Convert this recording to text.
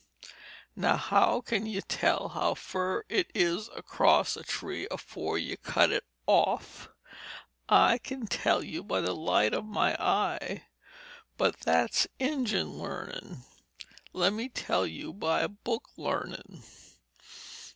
Now, how kin ye tell how fur it is acrost a tree afore ye cut it off? I kin tell by the light of my eye, but that's Injun larnin'. Lemme tell you by book larnin'.